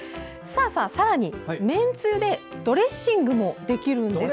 さらに、めんつゆでドレッシングもできるんです。